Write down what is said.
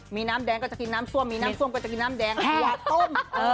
มีน้ำแดงก็จะกินน้ำส้มมีน้ำส้มก็จะกินน้ำแดงยาต้ม